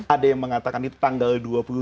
ada yang mengatakan itu tanggal dua puluh dua